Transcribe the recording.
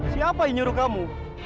siapa yang nyuruh kamu